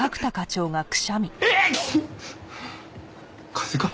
風邪か？